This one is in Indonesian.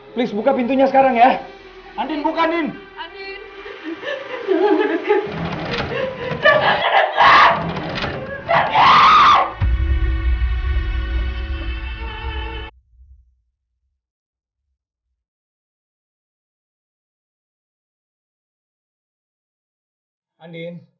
please buka pintunya sekarang ya andin buka andin